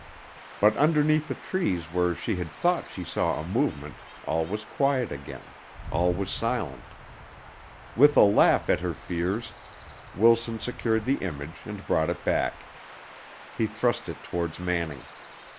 But underneath the trees where she had thought she saw a movement all was quiet again all was silent. With a laugh at her fears, Wilson secured the image and brought it back. He thrust it towards Manning.